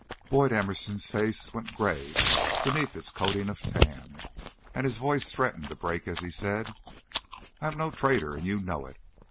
Boyd Emerson's face went gray beneath its coating of tan, and his voice threatened to break as he said: "I am no traitor, and you know it.